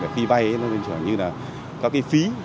khi vay như là có cái phí